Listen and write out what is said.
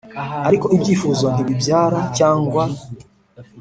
ariko ibyifuzo ntibibyara, cyangwa